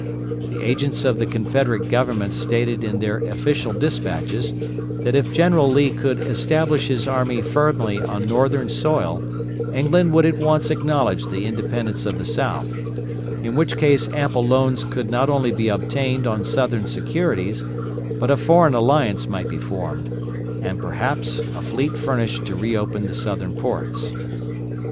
The agents of the Confederate Government stated in their official despatches that if General Lee could establish his army firmly on Northern soil England would at once acknowledge the independence of the South; in which case ample loans could not only be obtained on Southern securities, but a foreign alliance might be formed, and perhaps a fleet furnished to re open the Southern ports.